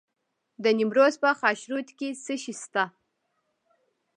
د نیمروز په خاشرود کې څه شی شته؟